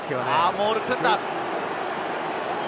モールを組んだ。